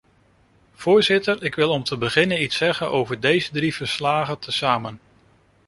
Voorzitter, ik wil om te beginnen iets zeggen over deze drie verslagen tezamen.